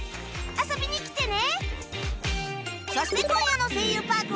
遊びに来てね！